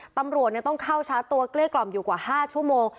ตำรวจต้องเข้าชาร์จตัวเกลี้ยกล่อมอยู่กว่า๕ชั่วโมง